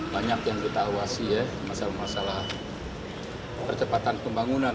banyak yang kita awasi ya masalah masalah percepatan pembangunan